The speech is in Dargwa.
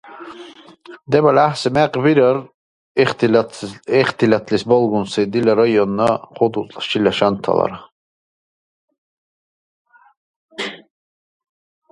Дебали гӀяхӀси мекъ бирар ихтилатлис балгунти дила районна ХудуцӀла шила шанталара.